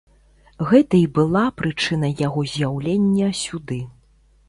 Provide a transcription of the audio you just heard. Гэта і была прычына яго з'яўлення сюды.